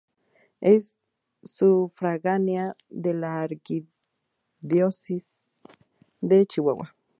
Es sufragánea de la Arquidiócesis de Chihuahua.